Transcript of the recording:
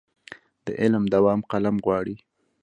د علم دوام قلم غواړي.